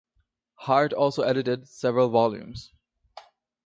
Hart also edited several volumes.